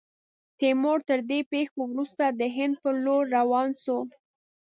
تیمور، تر دې پیښو وروسته، د هند پر لور روان سو.